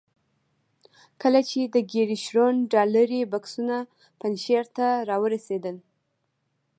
کله چې د ګیري شرون ډالري بکسونه پنجشیر ته را ورسېدل.